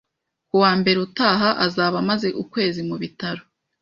Ku wa mbere utaha, azaba amaze ukwezi mu bitaro